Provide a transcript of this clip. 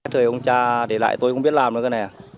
trời ông cha để lại tôi không biết làm nữa